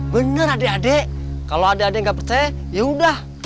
bener adik adik kalo adik adik gak percaya yaudah